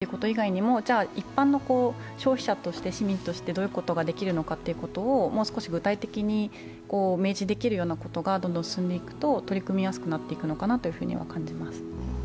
行政としてこういうことをしていくという以外にも一般の消費者として市民としてどういうことができるのかということをもう少し具体的に明示できることがどんどん進んでいくと取り組みやすくなっていくのかなと感じます。